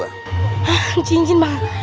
hah cincin bang